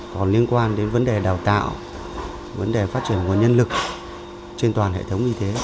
còn liên quan đến vấn đề đào tạo vấn đề phát triển nguồn nhân lực trên toàn hệ thống y tế